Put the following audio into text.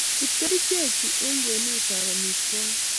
Ip kerichek chu eng kwenut ab amitwogik